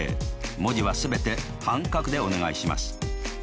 文字は全て半角でお願いします。